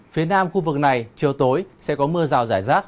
phía nam khu vực này chiều tối sẽ có mưa rào rải rác